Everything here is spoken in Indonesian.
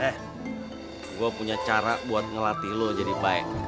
eh gue punya cara buat ngelatih lo jadi baik